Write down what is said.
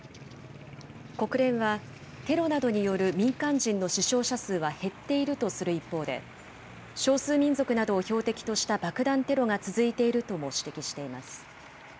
国連はテロなどによる民間人の死傷者数は減っているとする一方で、少数民族などを標的とした爆弾テロが続いているとも指摘しています。